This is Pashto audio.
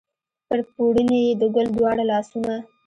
پر پوړني یې د ګل دواړه لاسونه